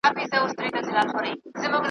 تشه لاسه ته مي دښمن یې .